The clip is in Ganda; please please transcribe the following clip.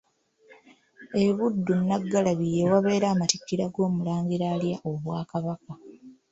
E Buddo Nnaggalabi ye wabeera amatikkira g'Omulangira alya obwa Kabaka.